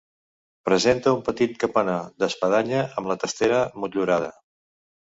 Presenta un petit campanar d'espadanya, amb la testera motllurada.